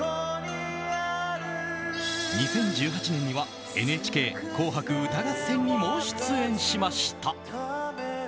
２０１８年には「ＮＨＫ紅白歌合戦」にも出演しました。